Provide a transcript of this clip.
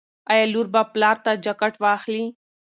ایا لور به پلار ته جاکټ واخلي؟